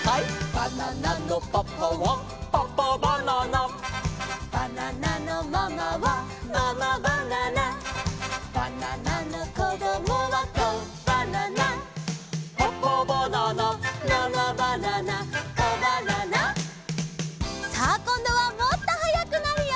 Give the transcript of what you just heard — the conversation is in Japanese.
「バナナのパパはパパバナナ」「バナナのママはママバナナ」「バナナのこどもはコバナナ」「パパバナナママバナナコバナナ」さあこんどはもっとはやくなるよ！